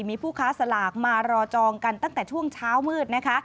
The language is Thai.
มีผู้ค้าสลากมารอจองกันตั้งแต่ช่วงเช้ามืดนะคะ